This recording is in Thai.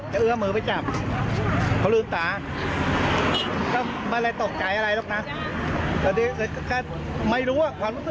ฆ่าว่าเสียชีวิต